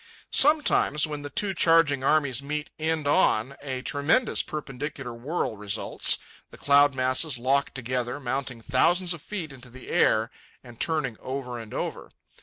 Sometimes, when the two charging armies meet end on, a tremendous perpendicular whirl results, the cloud masses, locked together, mounting thousands of feet into the air and turning over and over.